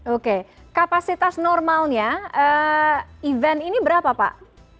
oke kapasitas normalnya event ini berapa pak